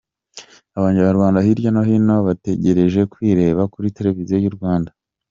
Abanyarwanda hirya no hino bategereje kwireba kuri Televiziyo y’u Rwanda.